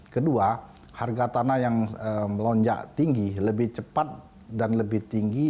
kedua harga tanah yang melonjak tinggi lebih cepat dan lebih tinggi